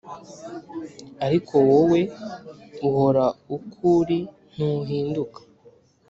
Ariko wowe uhora uko uri ntuhinduka‽